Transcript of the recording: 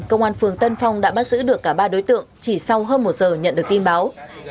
công an phường tân phong đã bắt giữ được cả ba đối tượng chỉ sau hơn một giờ nhận được tin báo